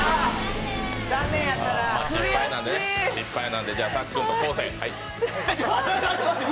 失敗なんでさっくんと昴生。